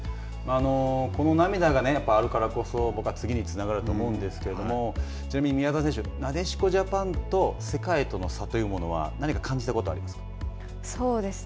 この涙があるからこそ、僕は次につながると思うんですけれども、ちなみに宮澤選手、なでしこジャパンと世界との差というのは、何か感じたことはありますか。